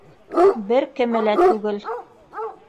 Бер кеме лә түгел.